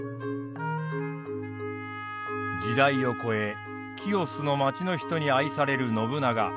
時代をこえ清須の町の人に愛される信長。